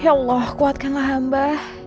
ya allah kuatkanlah hamba